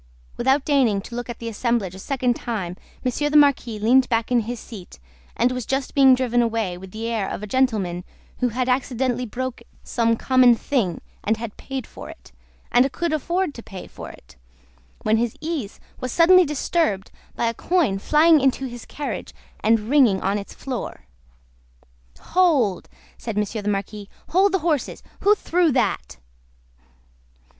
Without deigning to look at the assemblage a second time, Monsieur the Marquis leaned back in his seat, and was just being driven away with the air of a gentleman who had accidentally broke some common thing, and had paid for it, and could afford to pay for it; when his ease was suddenly disturbed by a coin flying into his carriage, and ringing on its floor. "Hold!" said Monsieur the Marquis. "Hold the horses! Who threw that?"